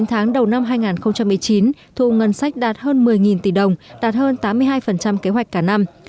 chín tháng đầu năm hai nghìn một mươi chín thu ngân sách đạt hơn một mươi tỷ đồng đạt hơn tám mươi hai kế hoạch cả năm